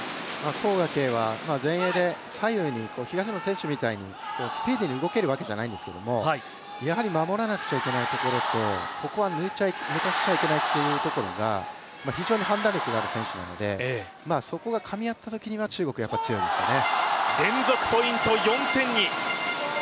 黄雅瓊は前衛で左右にスピーディーに動けるわけではないんですけれども守らなきゃいけないところとここは抜かせちゃいけないというところが、非常に判断力がある選手なので、そこがかみ合ったときには、中国はやっぱり強いですね。